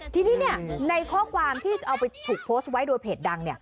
ทีนี้ในข้อความที่เอาไปถูกโพสต์ไว้โดยเพจดัง